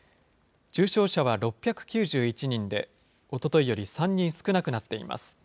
重症者は６９１人で、おとといより３人少なくなっています。